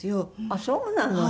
あっそうなの？